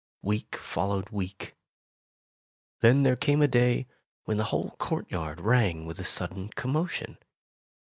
Week followed week. Then there came a day when the whole courtyard rang with a sudden commotion.